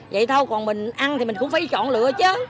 vậy thôi còn mình ăn thì mình cũng phải chọn lựa chứ